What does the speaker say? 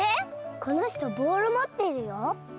この人ボールもってるよ？